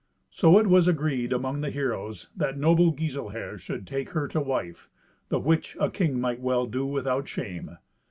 So it was agreed among the heroes that noble Giselher should take her to wife; the which a king might well do without shame.